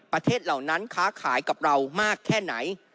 เหล่านั้นค้าขายกับเรามากแค่ไหน